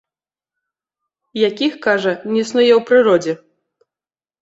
Якіх, кажа, не існуе ў прыродзе.